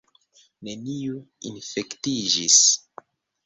Neniu infektiĝis!